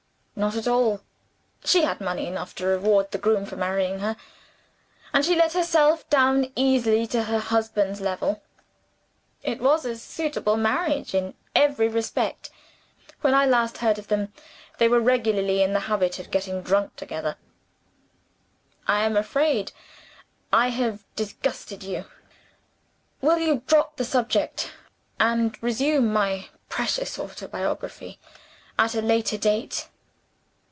"Not at all. She had money enough to reward the groom for marrying her; and she let herself down easily to her husband's level. It was a suitable marriage in every respect. When I last heard of them, they were regularly in the habit of getting drunk together. I am afraid I have disgusted you? We will drop the subject, and resume my precious autobiography at a later date.